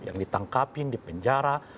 yang ditangkapin dipenjara